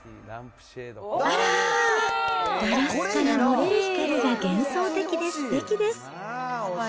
あらー、ガラスから漏れる光が幻想的ですてきです。